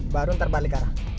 baru ntar balik arah